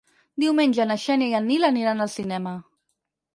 Diumenge na Xènia i en Nil aniran al cinema.